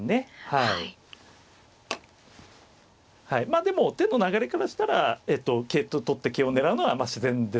まあでも手の流れからしたら桂取って桂を狙うのは自然ですよね。